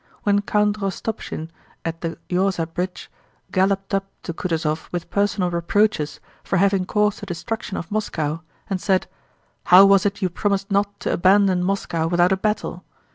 When Count Rostopchín at the Yaúza bridge galloped up to Kutúzov with personal reproaches for having caused the destruction of Moscow, and said: "How was it you promised not to abandon Moscow without a battle?"